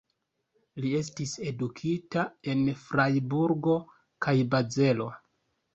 Li estis edukita en Frajburgo kaj Bazelo.